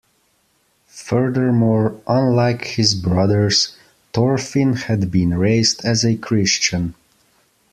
Furthermore, unlike his brothers, Thorfinn had been raised as a Christian.